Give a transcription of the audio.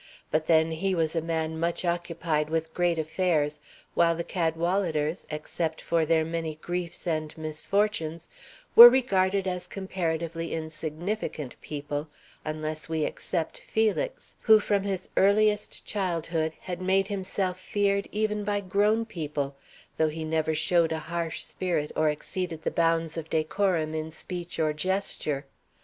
But then he was a man much occupied with great affairs, while the Cadwaladers, except for their many griefs and misfortunes, were regarded as comparatively insignificant people, unless we except Felix, who from his earliest childhood had made himself feared even by grown people, though he never showed a harsh spirit or exceeded the bounds of decorum in speech or gesture.